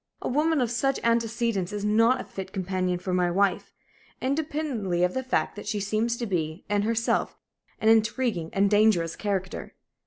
A woman of such antecedents is not a fit companion for my wife, independently of the fact that she seems to be, in herself, an intriguing and dangerous character."